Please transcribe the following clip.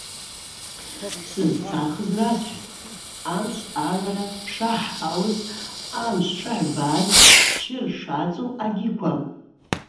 Сызцахыз расхӏвтӏ: амшв агӏвара шгӏахӏауыз, амшв шыгӏбаз, чыр шацӏу-агьиква.